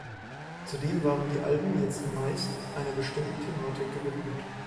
Zudem waren die Alben jetzt meist einer bestimmten Thematik gewidmet.